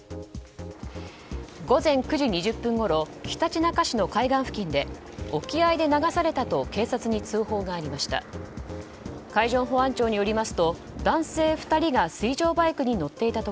午前９時２０分ごろひたちなか市の海岸付近で沖合で流されたと警察に通報がありました。